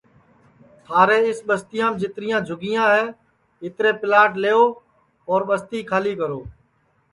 تھارے اِس بستِیام جِترِیاں جھوپڑیاں ہے اِترے پِلاٹ لیؤ اور یو بستی کھالی کرو